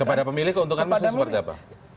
kepada pemilih keuntungan masing masing seperti apa